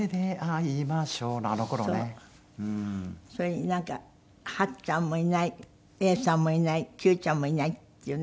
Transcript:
それになんかはっちゃんもいない永さんもいない九ちゃんもいないっていうね。